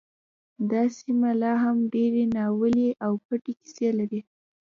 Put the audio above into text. دا سیمه لا هم ډیرې ناوییلې او پټې کیسې لري